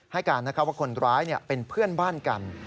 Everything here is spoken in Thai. ให้การว่าคนร้ายเป็นเพื่อนบ้านกัน